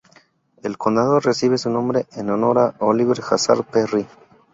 El condado recibe su nombre en honor a Oliver Hazard Perry.